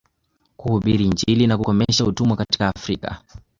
Kuhubiri injili na kukomesha utumwa katika Afrika